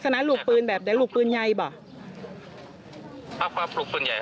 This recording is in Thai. ครับครับลูกปืนใหญ่ครับ